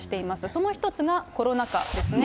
その一つがコロナ禍ですね。